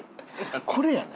これやで？